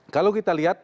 kalau kita lihat